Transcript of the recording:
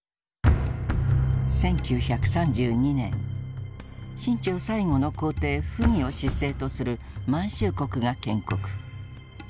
１９３２年清朝最後の皇帝溥儀を執政とする満州国が建国。